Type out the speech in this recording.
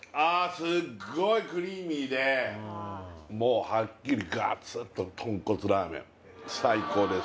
すっごいクリーミーでもうハッキリガツッと豚骨ラーメン最高です